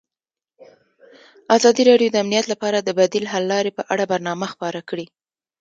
ازادي راډیو د امنیت لپاره د بدیل حل لارې په اړه برنامه خپاره کړې.